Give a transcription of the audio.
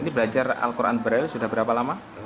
ini belajar al quran braille sudah berapa lama